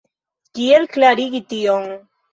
Kiel klarigi tion?